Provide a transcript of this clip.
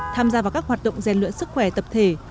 tham gia vào các hoạt động rèn luyện sức khỏe tập thể